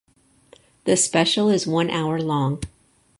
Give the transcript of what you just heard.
The special is one hour long.